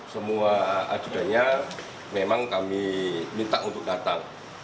semua ajudannya memang kami minta untuk datang